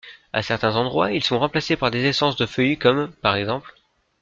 À certains endroits ils sont remplacés par des essences de feuillus comme p.ex.